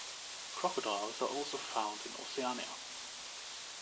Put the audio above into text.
Crocodiles are also found in Oceania.